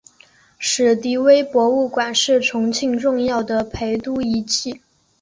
史迪威博物馆是重庆重要的陪都遗迹。